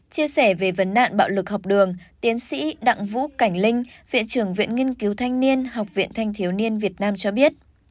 chia sẻ về vấn đạn bạo lực học đường tiến sĩ đặng vũ cảnh linh viện trưởng viện nghiên cứu thanh niên học viện thanh thiếu niên việt nam cho biết